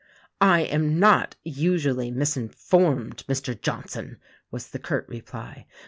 "I am not usually misinformed, Mr. Johnson!" was the curt reply.